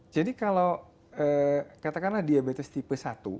jadi kalau katakanlah diabetes tipe satu